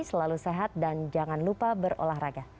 selalu sehat dan jangan lupa berolahraga